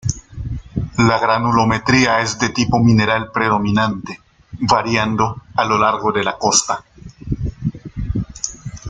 La granulometría es de tipo mineral predominante, variando a lo largo de la costa.